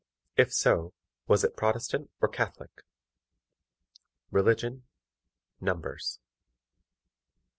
IF SO, WAS IT PROTESTANT OR CATHOLIC? Religion. Numbers.